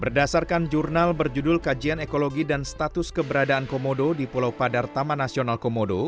berdasarkan jurnal berjudul kajian ekologi dan status keberadaan komodo di pulau padar taman nasional komodo